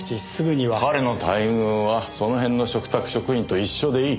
彼の待遇はその辺の嘱託職員と一緒でいい。